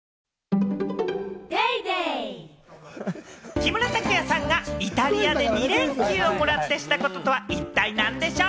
木村拓哉さんがイタリアで元気をもらってしたこととは一体なんでしょう？